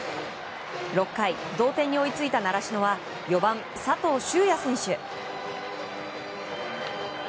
６階、同点に追いついた習志野は４番、佐藤シュウヤ選手。